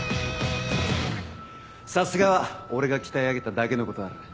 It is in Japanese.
さすがは俺が鍛え上げただけのことはある。